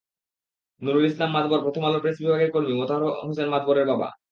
নুরুল ইসলাম মাদবর প্রথম আলোর প্রেস বিভাগের কর্মী মোতাহার হোসেন মাদবরের বাবা।